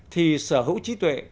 thì sở hữu trí tuệ